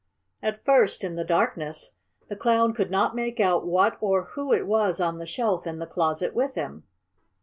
At first, in the darkness, the Clown could not make out what or who it was on the shelf in the closet with him.